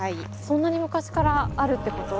そんなに昔からあるってこと？